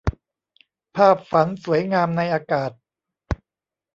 ภาพฝันสวยงามในอากาศ